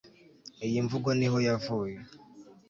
iyi mvugo niho yavuye